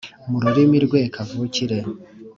Mu rurimi rwe kavukire,